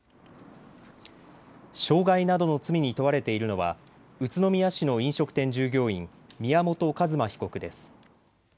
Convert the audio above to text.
傷害などの罪に問われているのは宇都宮市の飲食店従業員、宮本一馬被告です。